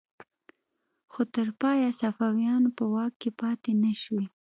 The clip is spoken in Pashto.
خو تر پایه صفویانو په واک کې پاتې نشوې.